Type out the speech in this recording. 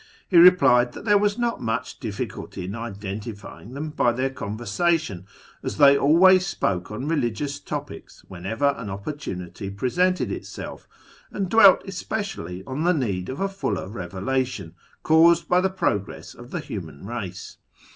He replied that there was not much difficulty in identifying them by their conversation, as they always spoke on religious topics whenever an opportunity presented itself, and dwelt especially on the need of a fuller revelation, caused by the progress of the human race.